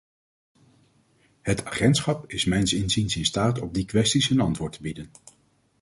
Het agentschap is mijns inziens in staat op die kwesties een antwoord te bieden.